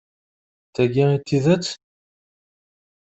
D tagi i d tidett?